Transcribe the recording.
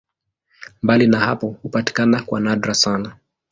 Mbali na hapo hupatikana kwa nadra sana.